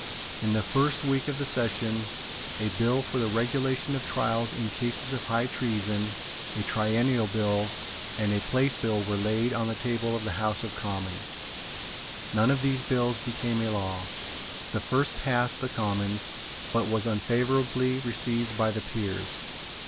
In the first week of the session, a Bill for the Regulation of Trials in cases of High Treason, a Triennial Bill, and a Place Bill were laid on the table of the House of Commons. None of these bills became a law. The first passed the Commons, but was unfavourably received by the Peers.